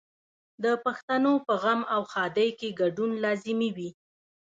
د پښتنو په غم او ښادۍ کې ګډون لازمي وي.